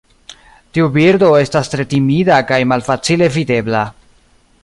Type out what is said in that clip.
Tiu birdo estas tre timida kaj malfacile videbla.